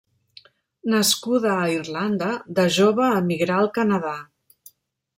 Nascuda a Irlanda, de jove emigrà al Canadà.